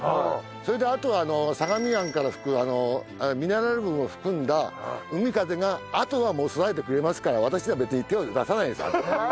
それであとは相模湾から吹くミネラル分を含んだ海風があとはもう育ててくれますから私ら別に手を出さないです。